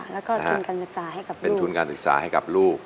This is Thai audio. แล้วก็ทุนการศึกษาให้กับเป็นทุนการศึกษาให้กับลูก